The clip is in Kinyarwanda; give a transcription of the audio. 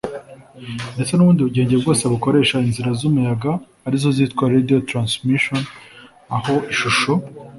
ndetse n’ubundi bugenge bwose bukoresha inzira z’umuyaga arizo zitwa radio transmission aho ishusho